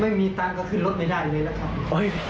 ไม่มีตังค์ก็ขึ้นรถไม่ได้เลยล่ะครับ